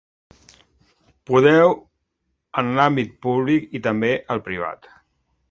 Podeu, en l’àmbit públic i també al privat.